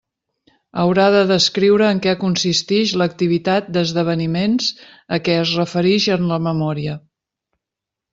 Haurà de descriure en què consistix l'activitat «d'esdeveniments» a què es referix en la memòria.